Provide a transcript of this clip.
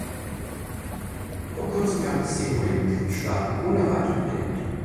Vor kurzem gab es zehn neue Mitgliedstaaten, ohne Erweiterung der Ämter.